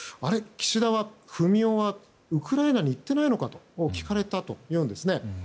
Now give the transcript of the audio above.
岸田文雄はウクライナに行っていないのかと聞かれたというんですね。